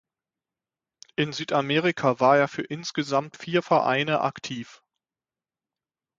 In Südamerika war er für insgesamt vier Vereine aktiv.